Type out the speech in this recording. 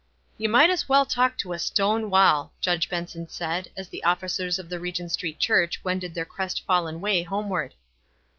"You might as well talk to a stone wall," Judge Benson said, as the officers of the Regogt Street Church wended their crest fallen way homeward.